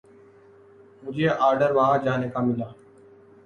مجھے آرڈر وہاں جانے کا ملا۔